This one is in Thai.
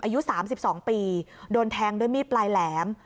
อายุ๓๒ปีโดนแทงด้วยมีดปลายแหลม